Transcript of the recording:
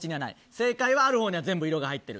正解は、あるほうには全部色が入ってる。